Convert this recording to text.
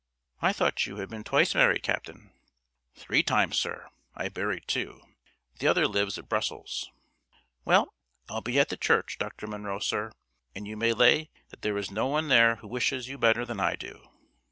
"I thought you had been twice married, captain." "Three times, sir. I buried two. The other lives at Brussels. Well, I'll be at the church, Dr. Munro, sir; and you may lay that there is no one there who wishes you better than I do."